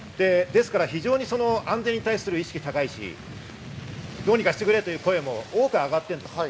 非常に安全に対する意識は高いし、どうにかしてくれという声も多く上がっています。